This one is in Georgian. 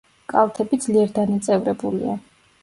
კალთები ძლიერ დანაწევრებულია.